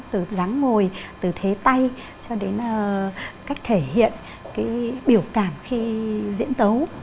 từ lắng ngồi từ thế tay cho đến cách thể hiện cái biểu cảm khi diễn tấu